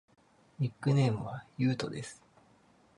ニックネームはゆうとです。